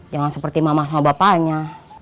jangan seperti mama sama bapaknya